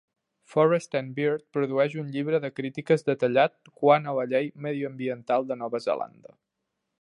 Forest and Bird produeix un llibre de crítiques detallat quant a la llei mediambiental de Nova Zelanda.